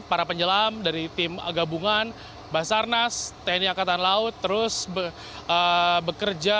para penyelam dari tim gabungan basarnas tni angkatan laut terus bekerja